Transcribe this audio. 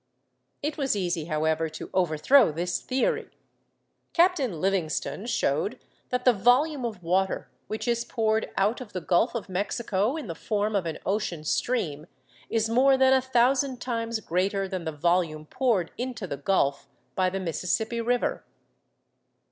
It was easy, however, to overthrow this theory. Captain Livingston showed that the volume of water which is poured out of the Gulf of Mexico in the form of an ocean stream is more than a thousand times greater than the volume poured into the Gulf by the Mississippi River.